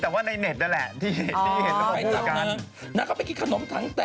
เดี๋ยวกลัวไปโป๊ะก็ว่า